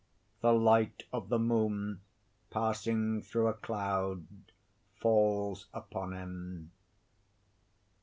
The light of the moon passing through a cloud falls upon him.